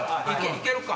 行けるか。